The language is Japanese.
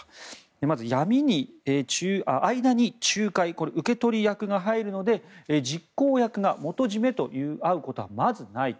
まず、間に仲介これは受け取り役が入るので実行役が元締と会うことはまずないと。